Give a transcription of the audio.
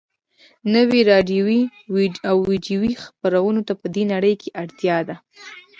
نویو راډیویي او ويډیویي خپرونو ته په دې نړۍ کې اړتیا ده